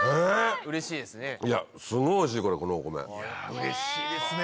うれしいですね。